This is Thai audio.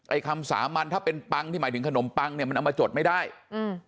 คำสามัญถ้าเป็นปังที่หมายถึงขนมปังเนี้ยมันเอามาจดไม่ได้อืม